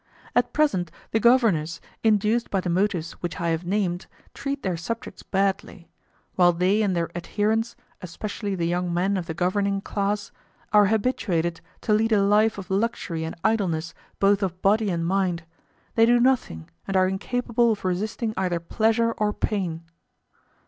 At present the governors, induced by the motives which I have named, treat their subjects badly; while they and their adherents, especially the young men of the governing class, are habituated to lead a life of luxury and idleness both of body and mind; they do nothing, and are incapable of resisting either pleasure or pain.